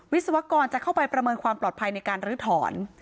วิศวกรจะเข้าไปประเมินความปลอดภัยในการลื้อถอน